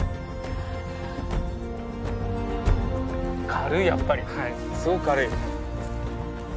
軽いやっぱりすごく軽い。